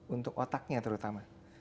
untuk otaknya terutama